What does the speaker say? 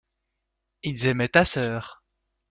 Ils aimaient ta sœur.